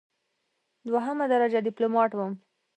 دوهمه درجه ډیپلوماټ وم.